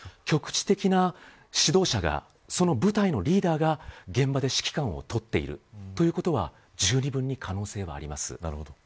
局地的な指導者がその部隊のリーダーが現場で指揮官をとっているということは十二分に可能性はあります。